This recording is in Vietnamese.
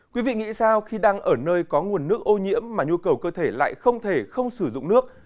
quý vị nghĩ sao khi đang ở nơi có nguồn nước ô nhiễm mà nhu cầu cơ thể lại không thể không sử dụng nước